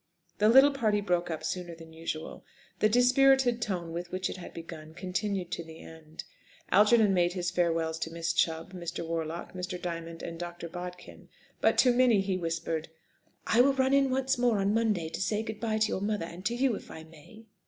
The little party broke up sooner than usual. The dispirited tone with which it had begun continued to the end. Algernon made his farewells to Miss Chubb, Mr. Warlock, Mr. Diamond, and Dr. Bodkin. But to Minnie he whispered, "I will run in once more on Monday to say 'Good bye' to your mother and to you, if I may."